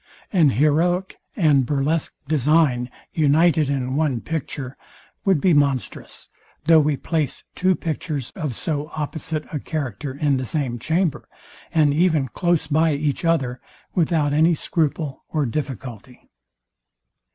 An heroic and burlesque design, united in one picture, would be monstrous; though we place two pictures of so opposite a character in the same chamber, and even close by each other, without any scruple or difficulty.